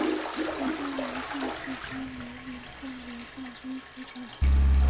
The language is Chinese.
此后两个赛季他没能在联赛中出场。